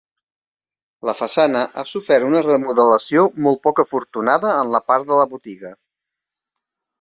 La façana ha sofert una remodelació molt poc afortunada en la part de la botiga.